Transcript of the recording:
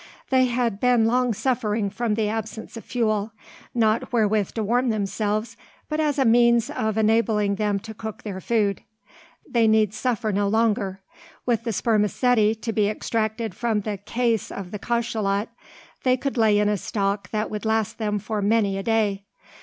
They had been long suffering from the absence of fuel, not wherewith to warm themselves, but as a means of enabling them to cook their food. They need suffer no longer. With the spermaceti to be extracted from the "case" of the cachalot, they could lay in a stock that would last them for many a day.